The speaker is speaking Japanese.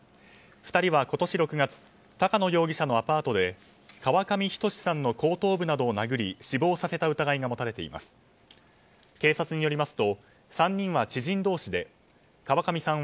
２人は今年６月高野容疑者のアパートで川上仁志さんの後頭部などを殴り死亡させた疑いが持たれています。